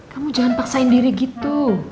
kamu jangan paksain diri gitu